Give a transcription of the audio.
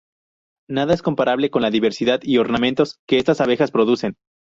Nada es comparable con la diversidad y ornamentos que estas abejas producen.